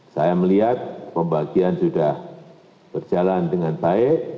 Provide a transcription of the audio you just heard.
saya melihat pembagian sudah berjalan dengan baik